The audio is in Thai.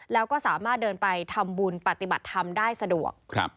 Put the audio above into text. แล้วก็สามารถเดินไปทำบุญปฏิบัติธรรมได้สะดวก